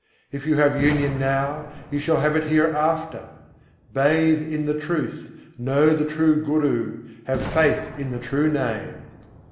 If you have union now, you shall have it hereafter. Bathe in the truth, know the true Guru, have faith in the true Name!